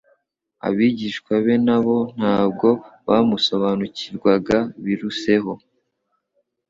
Abigishwa be na bo ntabwo bamusobanukirwaga biruseho.